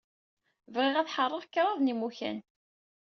Bɣiɣ ad ḥeṛṛeɣ kraḍ n yimukan.